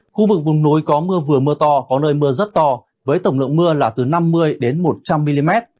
khu vực vùng núi có mưa vừa mưa to có nơi mưa rất to với tổng lượng mưa là từ năm mươi một trăm linh mm